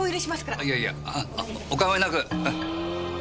いやいやおかまいなく。